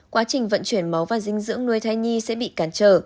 quá trình vận chuyển máu và dinh dưỡng nuôi thai nhi sẽ bị cản trở